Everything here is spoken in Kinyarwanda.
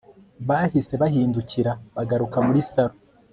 bahise bahindukira bagaruka muri salon